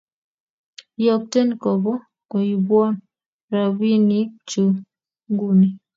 Iyokten kobo kuibwon robinikchu nguni